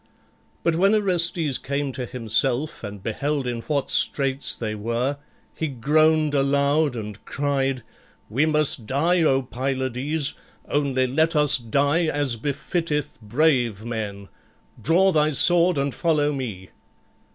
But when Orestes came to himself and beheld in what straits they were, he groaned aloud and cried, "We must die, O Pylades, only let us die as befitteth brave men. Draw thy sword and follow me."